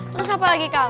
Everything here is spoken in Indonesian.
terus apa lagi kang